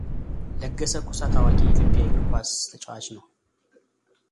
ለገሰ ኩሳ ታዋቂ የኢትዮጵያ የእግር ኳስ ተጫዋች ነው።